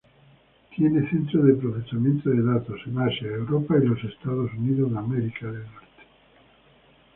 Tiene Centro de Procesamiento de Datos, en Asia, Europa y en Estados Unidos.